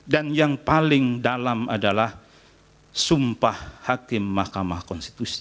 dan yang paling dalam adalah sumpah hakim mahkamah konstitusi